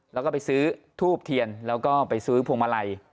แล้วก็ไปซื้อทูบเทียนแล้วก็ไปซื้อพวงมาลัย